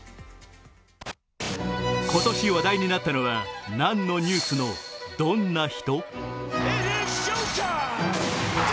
今年話題になったのは何のニュースの、どんな人。